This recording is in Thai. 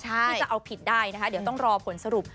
ที่จะเอาผิดได้นะคะเดี๋ยวต้องรอผลสรุป